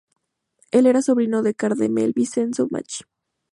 Él era el sobrino del cardenal Vincenzo Macchi.